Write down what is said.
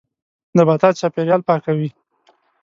نباتات چاپېریال پاکوي.